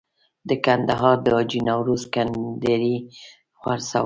د کندهار د حاجي نوروز کنډیري خرڅول.